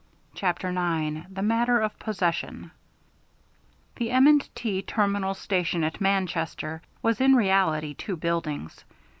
CHAPTER IX THE MATTER OF POSSESSION The M. & T. terminal station at Manchester was in reality two buildings.